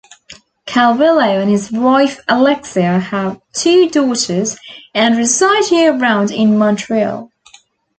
Calvillo and his wife Alexia have two daughters and reside year-round in Montreal.